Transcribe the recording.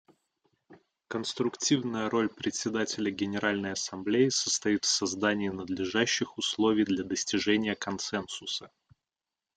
Конструктивная роль Председателя Генеральной Ассамблеи состоит в создании надлежащих условий для достижения консенсуса.